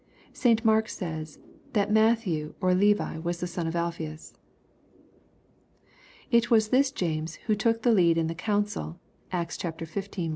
St. Mark says, that Matthew or Levi was the son of Alphaeus. It was this James who took the lead in the council, (Acts xv.